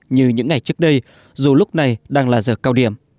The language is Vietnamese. như những ngày trước đây dù lúc này đang là giờ cao điểm